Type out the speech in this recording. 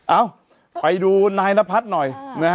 เอ้าไปดูนายนพัฒน์หน่อย